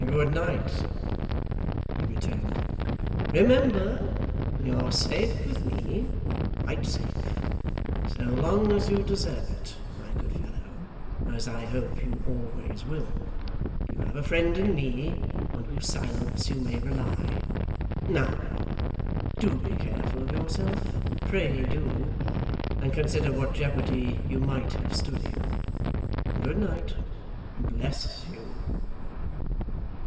'Good night,' he returned. 'Remember; you're safe with me quite safe. So long as you deserve it, my good fellow, as I hope you always will, you have a friend in me, on whose silence you may rely. Now do be careful of yourself, pray do, and consider what jeopardy you might have stood in. Good night! bless you!